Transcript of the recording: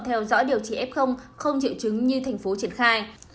theo dõi điều trị f không triệu chứng như thành phố triển khai